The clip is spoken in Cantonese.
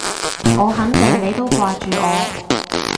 我肯定你都掛住我